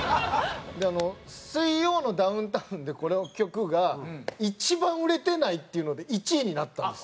「水曜のダウンタウン」でこの曲が一番売れてないっていうので１位になったんです。